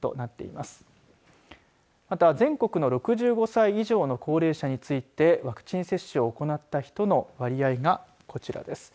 また、全国の６５歳以上の高齢者についてワクチン接種を行った人の割合がこちらです。